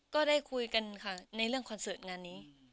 ก็ได้คุยกันค่ะในเรื่องคอนเสิร์ตงานนี้